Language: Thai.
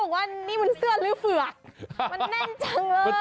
เจ้ามึงว่านี่มันเสื้อลูกฝึก